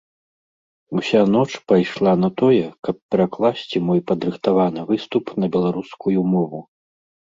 Уся ноч пайшла на тое, каб перакласці мой падрыхтаваны выступ на беларускую мову.